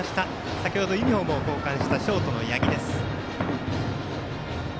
先ほどユニフォームを交換したショートの八木。